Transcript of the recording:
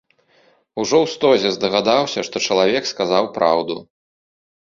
Ужо ў стозе здагадаўся, што чалавек сказаў праўду.